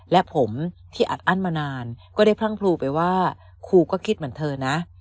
และผมที่อัดอั้นมานานก็ได้พรั่งพลูไปว่าครูก็คิดเหมือนเธอนะ